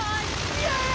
イエイ！